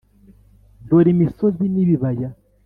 dore imisozi n’ibibaya,